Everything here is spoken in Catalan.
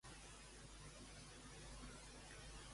Aquest entén per on es dirigeix la conversació?